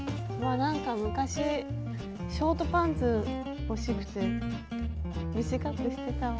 あなんか昔ショートパンツ欲しくて短くしてたわ。